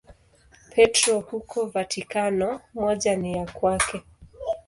Petro huko Vatikano, moja ni ya kwake.